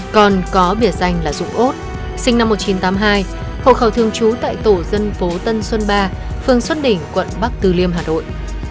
còn có biệt danh là dũng ốt sinh năm một nghìn chín trăm tám mươi hai hậu khẩu thương chú tại tổ dân phố tân xuân ba phường xuân đỉnh quận bắc tư liêm hà nội